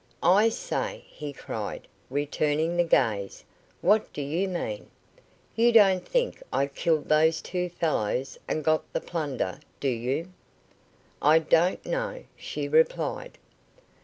"I say," he cried, returning the gaze, "what do you mean? You don't think I killed those two fellows, and got the plunder, do you?" "I don't know," she replied.